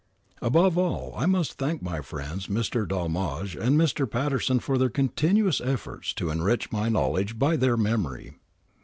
Above all I must thank my friends Mr. Dolmage and Mr. Patterson for their continuous efforts to enrich my know ledge by their memory.